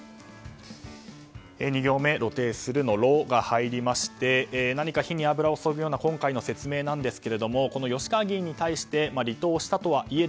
２行目、露呈するの「ロ」が入りまして何か、火に油を注ぐような今回の説明なんですけれどもこの吉川議員に対して離党したとはいえ